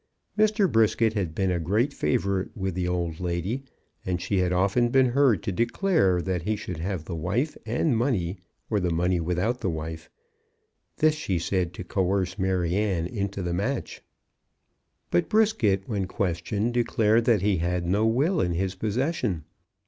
Mr. Brisket had been a great favourite with the old lady, and she had often been heard to declare that he should have the wife and money, or the money without the wife. This she said to coerce Maryanne into the match. But Brisket, when questioned, declared that he had no will in his possession.